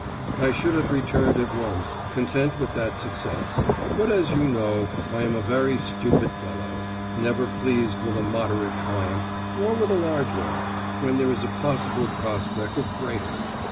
I should have returned at once, content with that success, but as you know I am a very stupid fellow, never pleased with a moderate triumph, nor with a large one, when there is a possible prospect of greater.